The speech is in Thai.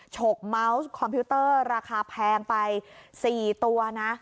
ฉกเมาส์คอมพิวเตอร์ราคาแพงไป๔ตัวนะ